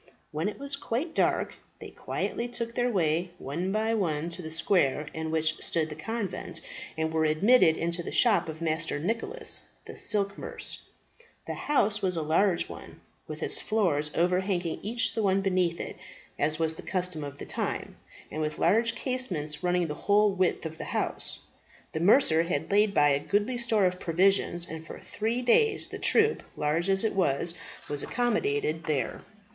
When it was quite dark they quietly took their way, one by one, to the square in which stood the convent, and were admitted into the shop of Master Nicholas, the silk mercer. The house was a large one, with its floors overhanging each the one beneath it, as was the custom of the time, and with large casements running the whole width of the house. The mercer had laid by a goodly store of provisions, and for three days the troop, large as it was, was accommodated there.